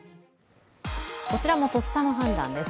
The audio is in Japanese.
こちらもとっさの判断です。